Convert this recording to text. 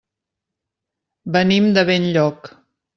Venim de Benlloc.